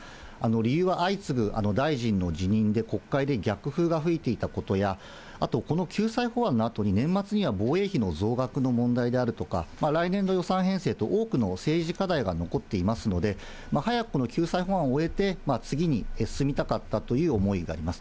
理由は相次ぐ大臣の辞任で、国会で逆風が吹いていたことや、あとこの救済法案のあとに、年末には防衛費の増額の問題であるとか、来年度予算編成と多くの政治課題が残っていますので、早くこの救済法案を終えて、次に進みたかったという思いがあります。